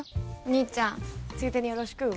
兄ちゃんついでによろしく。ＯＫ。